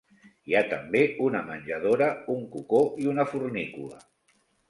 Hi ha també una menjadora, un cocó i una fornícula.